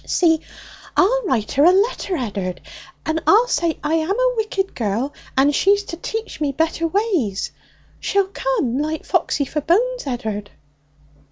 'See, I'll write her a letter, Ed'ard, and I'll say I'm a wicked girl, and she's to teach me better ways. She'll come like Foxy for bones, Ed'ard.'